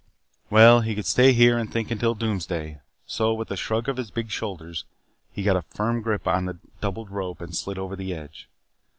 Well, one could stay here and think until doomsday. So, with a shrug of his big shoulders, he got a firm grip on his doubled rope and slid over the edge.